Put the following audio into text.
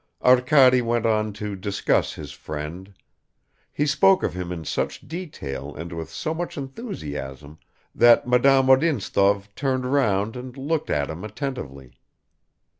Arkady went on to discuss "his friend." He spoke of him in such detail and with so much enthusiasm that Madame Odintsov turned round and looked at him attentively.